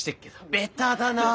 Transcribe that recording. ベタだなあ！